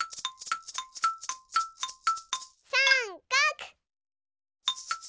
さんかく！